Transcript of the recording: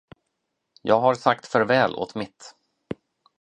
Jag har sagt farväl åt mitt.